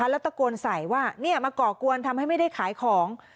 แล้วตะโกนใส่ว่ามาก่อกวนทำให้ไม่ได้ขายของ